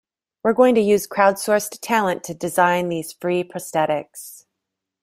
We're going to use crowdsourced talent to design these free prosthetics.